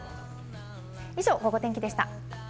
以上ゴゴ天気でした。